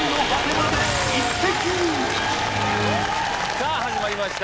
さぁ始まりました